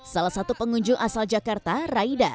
salah satu pengunjung asal jakarta raida